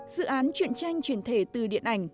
dự án truyền tranh truyền thể từ điện ảnh